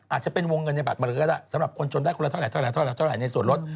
อาจจะเป็นวงเงินในบัตรมาเรือด่ะสำหรับคนชนได้คุณละเท่าไหร่ในส่วนลด